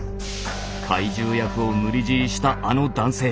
怪獣役を無理強いしたあの男性。